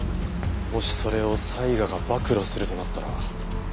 もしそれを才賀が暴露するとなったら。